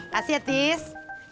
makasih ya tis